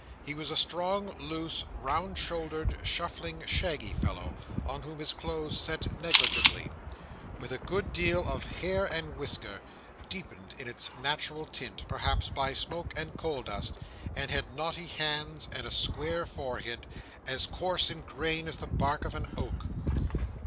He was a strong, loose, round shouldered, shuffling, shaggy fellow, on whom his clothes sat negligently: with a good deal of hair and whisker, deepened in its natural tint, perhaps by smoke and coal dust: hard knotty hands: and a square forehead, as coarse in grain as the bark of an oak.